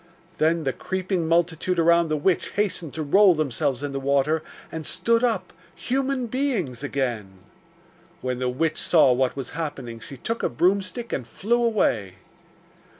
Then the creeping multitude around the witch hastened to roll themselves in the water, and stood up, human beings again. When the witch saw what was happening, she took a broomstick and flew away.